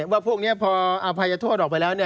ว่าพวกนี้พออภัยทรวดออกไปแล้ว